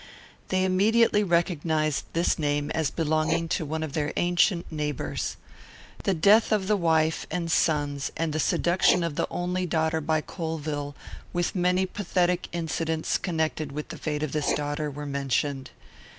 They immediately recognised this name as belonging to one of their ancient neighbours. The death of the wife and sons, and the seduction of the only daughter by Colvill, with many pathetic incidents connected with the fate of this daughter, were mentioned.